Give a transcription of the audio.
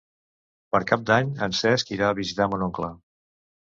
Per Cap d'Any en Cesc irà a visitar mon oncle.